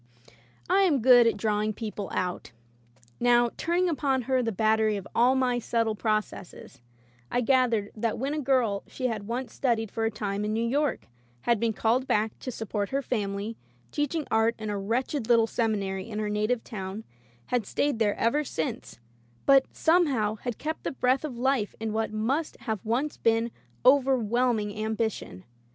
I am good at drawing people out. Now, turning upon her the battery of all my subtle processes, I gathered that when a girl she had once studied for a time in New York, had been called back to support her family, teach ing art in a wretched little seminary in her native town, had stayed there ever since, but somehow had kept the breath of life in what must have once been overwhelming ambi tion.